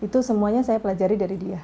itu semuanya saya pelajari dari dia